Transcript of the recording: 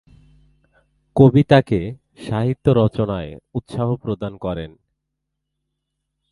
কবি তাকে সাহিত্য রচনায় উৎসাহ প্রদান করেন।